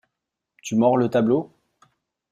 Tu mords le tableau ?